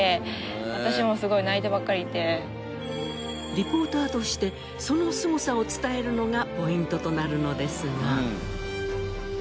リポーターとしてそのすごさを伝えるのがポイントとなるのですが。